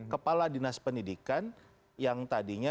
kepala dinas pendidikan yang tadinya